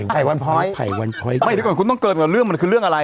ขอให้รู้คุณก่อนคุณต้องเกิดกันเรื่องมันคือเรื่องอะไร